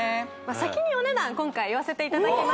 先にお値段今回言わせていただきます